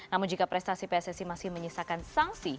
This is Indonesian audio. namun jika prestasi pssi masih menyisakan sanksi